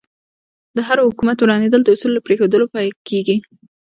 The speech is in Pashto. د هر حکومت ورانېدل د اصولو له پرېښودلو پیل کېږي.